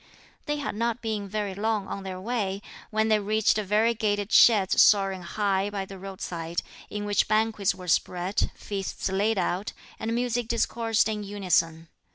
They had not been very long on their way, when they reached variegated sheds soaring high by the roadside, in which banquets were spread, feasts laid out, and music discoursed in unison.